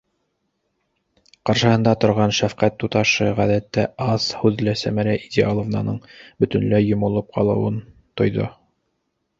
Ҡаршыһында торған шәфҡәт туташы ғәҙәттә аҙ һүҙле Сәмәрә Идеаловнаның бөтөнләй йомолоп ҡалыуын тойҙо.